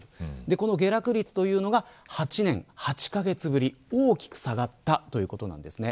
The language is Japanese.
この下落率というのが８年８カ月ぶり大きく下がったということなんですね。